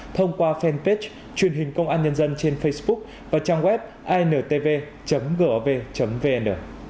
thông qua fanpage truyền hình công an nhân dân trên facebook và trang web intv gov vn